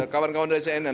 kawan kawan dari cnn